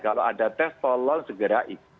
kalau ada tes tolong segera